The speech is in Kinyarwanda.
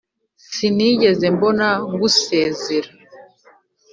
sinigeze mbona gusezera